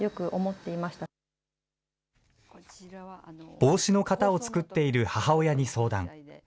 帽子の型を作っている母親に相談。